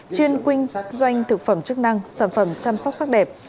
chuyên kinh doanh thực phẩm chức năng sản phẩm chăm sóc sắc đẹp